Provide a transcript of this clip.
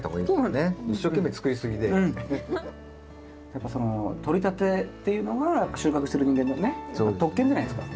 やっぱそのとりたてっていうのが収穫してる人間のね特権じゃないですか。